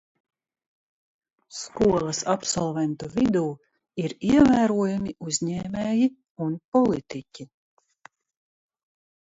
Skolas absolventu vidū ir ievērojami uzņēmēji un politiķi.